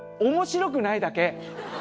面白くないだけ。